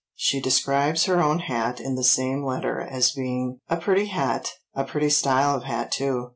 She describes her own hat in the same letter as being "A pretty hat,—a pretty style of hat too.